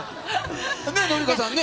ねえ、紀香さんね。